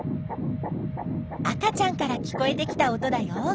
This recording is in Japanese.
赤ちゃんから聞こえてきた音だよ。